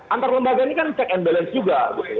antara lembaga ini kan cek and balance juga